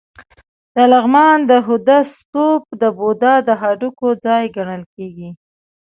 د لغمان د هده ستوپ د بودا د هډوکو ځای ګڼل کېږي